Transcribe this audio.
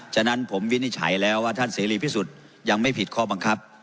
ฉะนั้นผมวินิจฉัยแล้วว่าท่านเสรีพิสุทธิ์ยังไม่ผิดข้อบังคับ